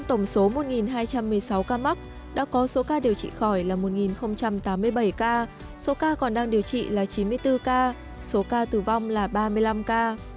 trong tổng số một hai trăm một mươi sáu ca mắc đã có số ca điều trị khỏi là một tám mươi bảy ca số ca còn đang điều trị là chín mươi bốn ca số ca tử vong là ba mươi năm ca